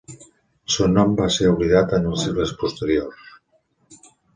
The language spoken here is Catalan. El seu nom va ser oblidat en els segles posteriors.